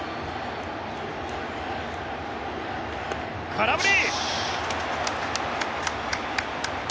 空振り！